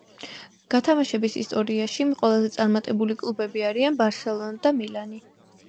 გათამაშების ისტორიაში, ყველაზე წარმატებული კლუბები არიან „ბარსელონა“ და „მილანი“.